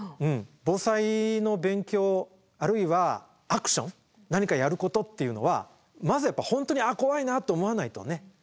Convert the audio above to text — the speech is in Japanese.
防災の勉強あるいはアクション何かやることっていうのはまずやっぱ本当に「あっ怖いな」と思わないとね。